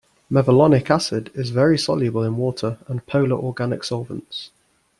Mevalonic acid is very soluble in water and polar organic solvents.